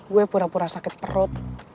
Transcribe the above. gue pura pura sakit perut